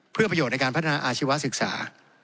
เพื่อประโยชน์ในการพัฒนาอาชีวศึกษา